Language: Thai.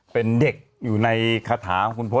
เป็นเด็กอยู่ในคาถาของ